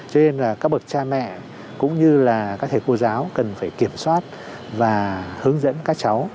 cho nên là các bậc cha mẹ cũng như là các thầy cô giáo cần phải kiểm soát và hướng dẫn các cháu